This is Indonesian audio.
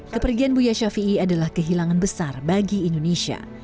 kepergian buya shafi'i adalah kehilangan besar bagi indonesia